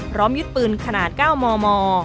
พร้อมยึดปืนขนาด๙มม